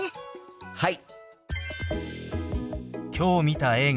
はい！